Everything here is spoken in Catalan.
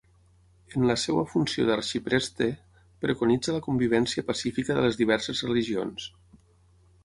En la seva funció d'arxipreste preconitza la convivència pacífica de les diverses religions.